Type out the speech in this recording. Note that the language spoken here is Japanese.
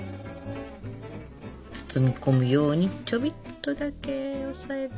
包み込むようにちょびっとだけ押さえて。